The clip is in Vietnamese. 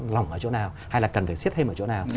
lỏng ở chỗ nào hay là cần phải xiết thêm ở chỗ nào